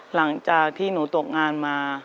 หลังจากที่หนูตกงานมา